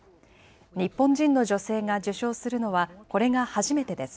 日本人の女性が受賞するのはこれが初めてです。